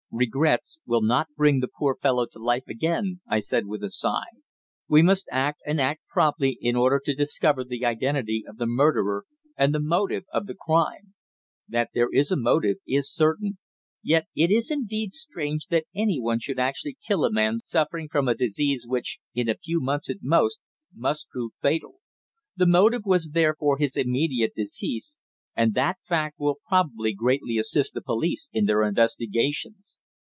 "Regrets will not bring the poor fellow to life again," I said with a sigh. "We must act, and act promptly, in order to discover the identity of the murderer and the motive of the crime. That there is a motive is certain; yet it is indeed strange that anyone should actually kill a man suffering from a disease which, in a few months at most, must prove fatal. The motive was therefore his immediate decease, and that fact will probably greatly assist the police in their investigations."